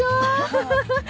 ハハハッ。